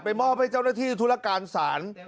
มอบให้เจ้าหน้าที่ธุรการศาล